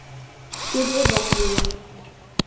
— Тӱрлыжат лийын!